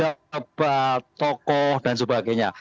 kebat tokoh dan sebagainya